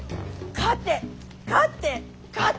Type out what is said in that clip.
勝て勝て勝て！